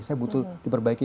saya butuh diperbaiki